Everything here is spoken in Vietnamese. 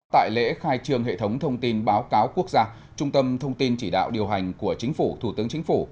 tại lễ khai trường hệ thống thông tin báo cáo quốc gia trung tâm thông tin chỉ đạo điều hành của chính phủ thủ tướng chính phủ